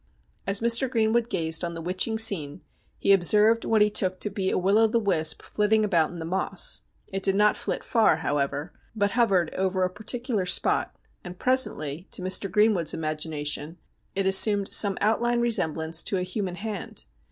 As Mr. Greenwood gazed on the witching scene he observed what he took to be a will o' the wisp flitting about in the Moss. It did not flit far, however, but hovered over a particular spot, and presently, to Mr. Greenwood's imagination, it assumed some outline resemblance to a human hand.